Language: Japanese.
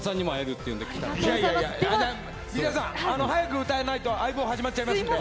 水谷さん早く歌わないと「相棒」始まっちゃいます。